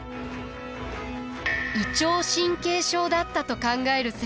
胃腸神経症だったと考える専門家も。